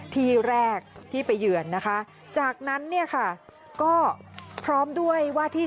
ที่แรกที่ไปเยือนนะคะจากนั้นเนี่ยค่ะก็พร้อมด้วยว่าที่